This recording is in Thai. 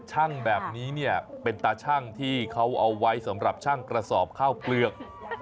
แบบนี้เนี่ยเป็นตาชั่งที่เขาเอาไว้สำหรับช่างกระสอบข้าวเปลือก